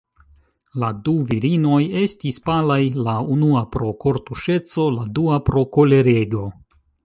La du virinoj estis palaj, la unua pro kortuŝeco, la dua pro kolerego.